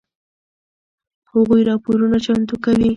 هغوی راپورونه چمتو کوي.